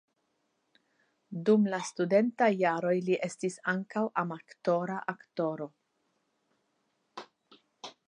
Dum la studentaj jaroj li estis ankaŭ amatora aktoro.